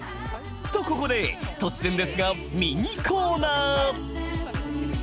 とここで突然ですがミニコーナー！